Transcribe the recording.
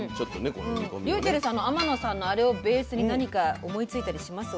ｒｙｕｃｈｅｌｌさん天野さんのあれをベースに何か思いついたりします？